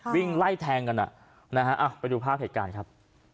วิ่งไล่แทงกันอ่ะนะฮะไปดูภาพเหตุการณ์ครับ